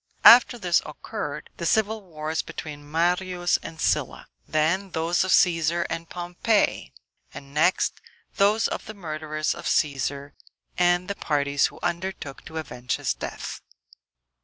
After this occurred the civil wars between Marius and Sylla; then those of Cæsar, and Pompey; and next those of the murderers of Cæsar, and the parties who undertook to avenge his death.